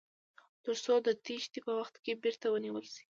تر څو د تیښتې په وخت کې بیرته ونیول شي.